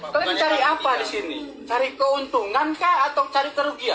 kalian mencari apa di sini cari keuntungan kah atau cari kerugian kalian berjualan di sini